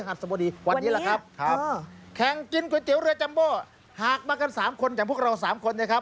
ครับแข่งก๋วยเตี๋ยวเรือจัมโบ่หากมากันสามคนอย่างพวกเราสามคนเนี่ยครับ